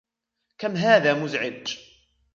كم هذا مزعج!